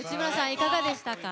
いかがでしたか？